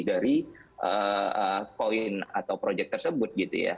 dari coin atau project tersebut gitu ya